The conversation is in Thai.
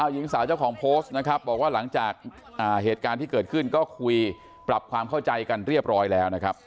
หญิงสาวเจ้าของโพสต์นะครับบอกว่าหลังจากเหตุการณ์ที่เกิดขึ้นก็คุยปรับความเข้าใจกันเรียบร้อยแล้วนะครับ